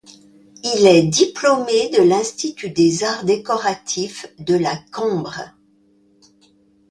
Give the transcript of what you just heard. Il est diplômé de l'Institut des Arts décoratifs de La Cambre.